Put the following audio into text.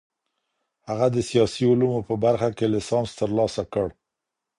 هغه د سياسي علومو په برخه کې ليسانس ترلاسه کړ.